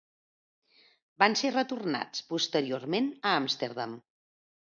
Van ser retornats posteriorment a Amsterdam.